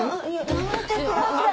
やめてください。